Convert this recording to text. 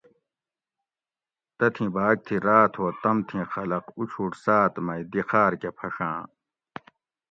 تتھی بھاۤگ تھی راۤت ہو تمتھیں خلق اُوچھوٹ ساۤت مئی دی خاۤر کہ پھڛاں